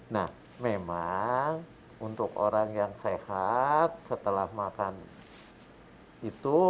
nah memang untuk orang yang sehat setelah makan itu